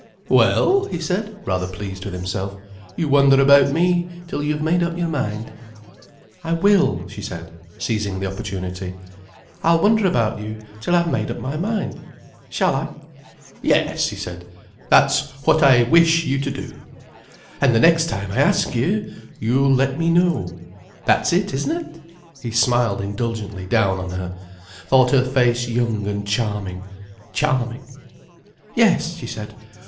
"Well," he said, rather pleased with himself, "you wonder about me till you've made up your mind—" "I will—" she said, seizing the opportunity. "I'll wonder about you till I've made up my mind—shall I?" "Yes," he said. "That's what I wish you to do. And the next time I ask you, you'll let me know. That's it, isn't it?" He smiled indulgently down on her: thought her face young and charming, charming. "Yes," she said.